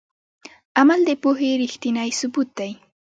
عمل د پوهې ریښتینی ثبوت دی.